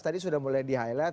tadi sudah mulai di highlight